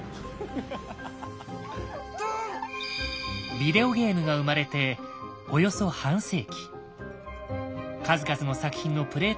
ビデオゲームが生まれておよそ半世紀。